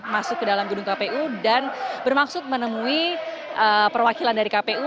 masuk ke dalam gedung kpu dan bermaksud menemui perwakilan dari kpu